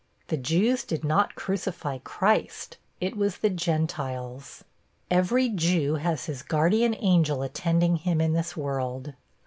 The Jews did not crucify Christ it was the Gentiles. Every Jew has his guardian angel attending him in this world.